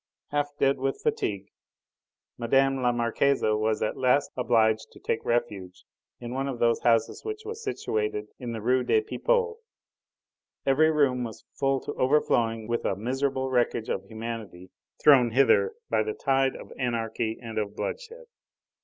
Half dead with fatigue, Mme. la Marquise was at last obliged to take refuge in one of these houses which was situated in the Rue des Pipots. Every room was full to overflowing with a miserable wreckage of humanity thrown hither by the tide of anarchy and of bloodshed.